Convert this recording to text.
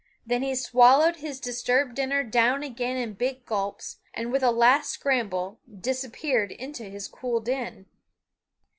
Then he swallowed his disturbed dinner down again in big gulps, and with a last scramble disappeared into his cool den.